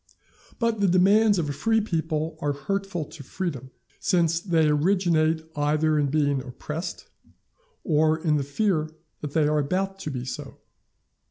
But the demands of a free people are hurtful to freedom, since they originate either in being oppressed, or in the fear that they are about to be so.